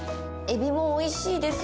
えびもおいしいです。